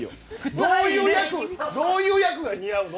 どういう役が似合うの？